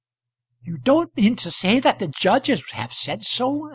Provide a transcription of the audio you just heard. "You don't mean to say that the judges have said so?"